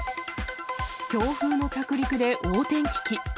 強風の着陸で横転危機。